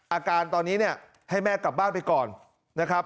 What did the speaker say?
อาการตอนนี้เนี่ยให้แม่กลับบ้านไปก่อนนะครับ